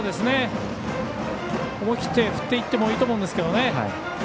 思い切って振っていってもいいと思うんですがね。